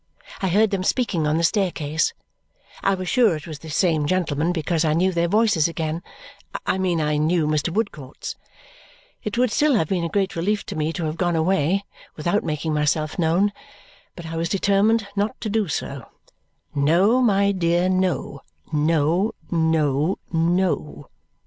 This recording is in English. I heard them speaking on the staircase. I was sure it was the same gentlemen because I knew their voices again I mean I knew Mr. Woodcourt's. It would still have been a great relief to me to have gone away without making myself known, but I was determined not to do so. "No, my dear, no. No, no, no!"